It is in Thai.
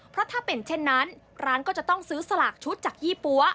เพราะถ้าเป็นเช่นนั้นร้านก็จะต้องซื้อสลากชุดจากยี่ปั๊ว